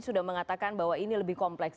sudah mengatakan bahwa ini lebih kompleks